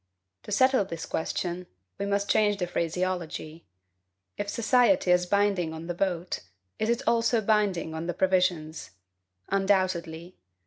To settle this question, we must change the phraseology. If society is binding on the boat, is it also binding on the provisions? Undoubtedly.